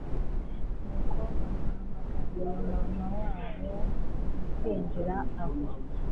Nuko bamuhamagariye Mama wabo…mukwinjira aho